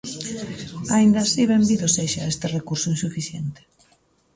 Aínda así, benvido sexa este recurso insuficiente.